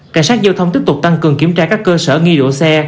cảnh sát giao thông tiếp tục tăng cường kiểm tra các cơ sở nghi đổ xe